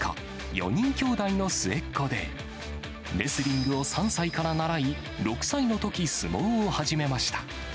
４人きょうだいの末っ子で、レスリングを３歳から習い、６歳のとき相撲を始めました。